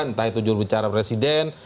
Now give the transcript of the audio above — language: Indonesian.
entah itu jurubicara presiden